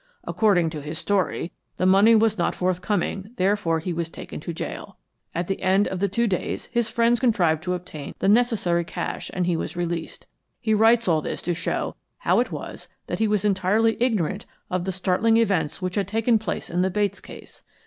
According to his story, the money was not forthcoming, therefore he was taken to gaol. At the end of two days his friends contrived to obtain the necessary cash and he was released. He writes all this to show how it was that he was entirely ignorant of the startling events which had taken place in the Bates case.